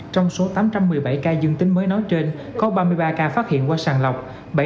trong số tám trăm một mươi bảy ca dương tính mới nói trên có ba mươi ba ca phát hiện qua sàng lọc